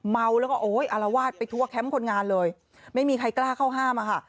เมาแล้วก็โอ้ยอารวาสไปทั่วแคมป์คนงานเลยไม่มีใครกล้าเข้าห้ามอะค่ะ